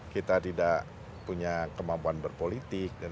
kita tidak punya kemampuan berpolitik